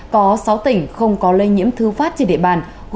có sáu tỉnh không có lây nhiễm thư phát trên địa bàn